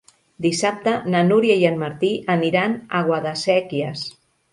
Dissabte na Núria i en Martí aniran a Guadasséquies.